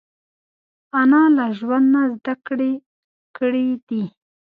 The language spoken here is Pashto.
انا له ژوند نه زده کړې کړې دي